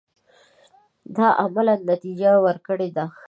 دا عملاً نتیجه ورکړې ده.